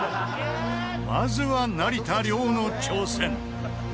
まずは成田凌の挑戦。